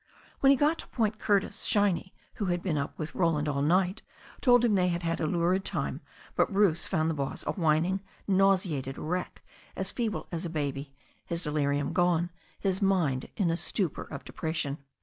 When he got to Point Curtis, Shiny, who had been up with Roland all night, told him they had had a lurid time, but Bruce found the boss a whining, nauseated wreck, as feeble as a baby, his delirium gone, his mind in a stupor of depression.